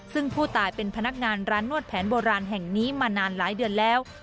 ซึ่งผู้ตายเป็นพนักงานร้านนวดแผนโบราณแห่งนี้มานานหลายเดือนแล้ว